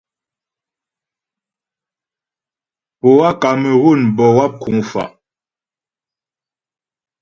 Poâ Kamerun bə́ wáp kuŋ fa'.